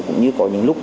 cũng như có những lúc